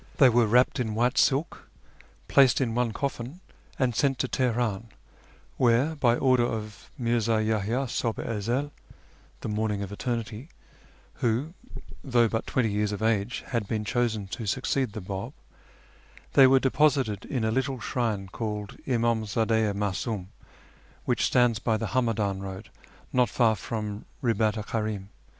They were wrapped in white silk, })laced in one coIlin, and sent to Tolionin, where, by order of Mi'rzii Yahyt'i Huhk i Ezcl (" the ^lorniug of Eternity," who, thougli but twenty years of age, had been chosen to succeed the Bab), they were deposited in a little shrine called Imdm zdd4 i Ma sibn, which stands by the Hamadiin road not far from liibat Kari'm.